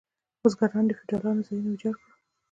بزګرانو د فیوډالانو ځایونه ویجاړ کړل.